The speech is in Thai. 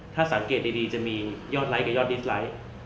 ถ้าสังเกตดีจะมียอดไลค์กับยอดดิสไลท์